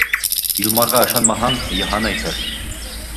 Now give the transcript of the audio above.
Илмарға ышанмаһаң, Йыһан әйтер.